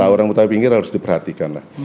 orang betawi pinggir harus diperhatikan lah